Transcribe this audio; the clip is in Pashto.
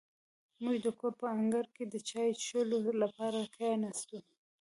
موږ د کور په انګړ کې د چای څښلو لپاره کېناستو.